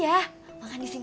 kalau saya makan di sini